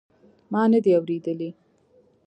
ما ندي اورېدلي.